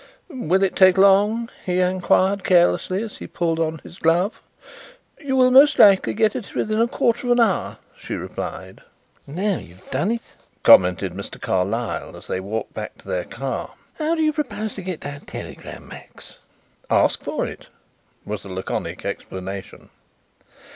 "Will it take long?" he inquired carelessly, as he pulled on his glove. "You will most likely get it within a quarter of an hour," she replied. "Now you've done it," commented Mr. Carlyle as they walked back to their car. "How do you propose to get that telegram, Max?" "Ask for it," was the laconic explanation.